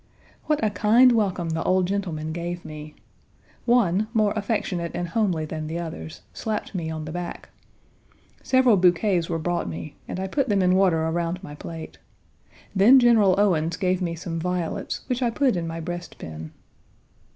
What a kind welcome the old gentlemen gave me! One, more affectionate and homely than the others, slapped me on the back. Several bouquets were brought me, and I put them in water around my plate. Then General Owens gave me some violets, which I put in my breastpin.